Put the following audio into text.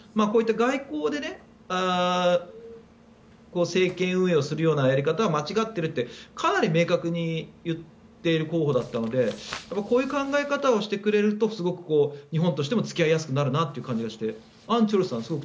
こういった外交で政権運営をするようなやり方は間違っているってかなり明確に言っている候補だったので僕はこういう考え方をしてくれるとすごい日本としても付き合いやすくなるなと思ってアン・チョルスさん